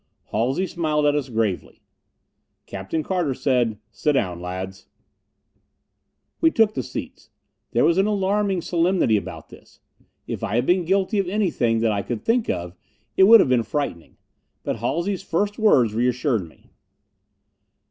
Halsey smiled at us gravely. Captain Carter said, "Sit down, lads." We took the seats. There was an alarming solemnity about this. If I had been guilty of anything that I could think of, it would have been frightening. But Halsey's first words reassured me.